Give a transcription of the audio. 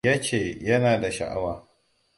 Ya ce yana da sha'awa.